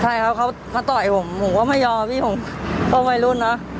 ใช่ครับเขามาต่อยผมผมก็ไม่ยอมพี่ผมก็วัยรุ่นเนอะ